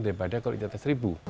daripada kalau di atas seribu